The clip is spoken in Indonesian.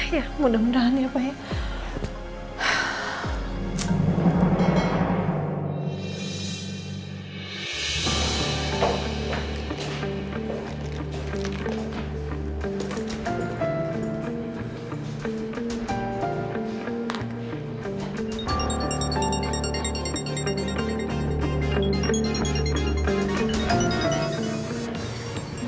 ya mudah mudahan ya baik